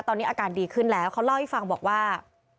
ตอนนี้อาการดีขึ้นแล้วเขาเล่าให้ฟังบอกว่า